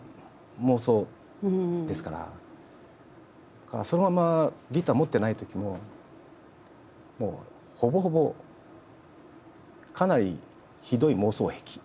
だからそのままギター持ってないときもほぼほぼかなりひどい妄想癖。